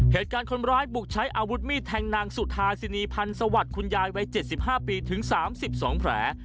เหตุการณ์คนร้ายบุกใช้อาวุธมีดแทงนางสุธาสินีพันธ์สวัสดิ์คุณยายวัย๗๕ปีถึง๓๒แผล